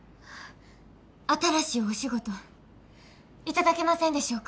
新しいお仕事頂けませんでしょうか。